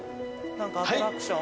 何かアトラクション？